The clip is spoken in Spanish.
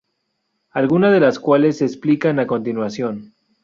Algunas de las cuales se explican a continuación.